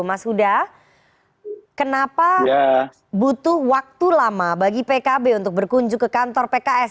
mas huda kenapa butuh waktu lama bagi pkb untuk berkunjung ke kantor pks